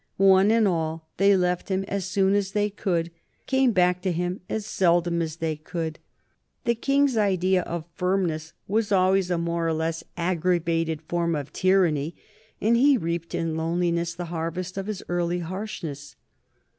One and all, they left him as soon as they could, came back to him as seldom as they could. The King's idea of firmness was always a more or less aggravated form of tyranny, and he reaped in loneliness the harvest of his early harshness.